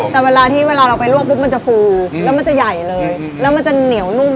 แต่เวลาที่เวลาเราไปลวกปุ๊บมันจะฟูแล้วมันจะใหญ่เลยแล้วมันจะเหนียวนุ่ม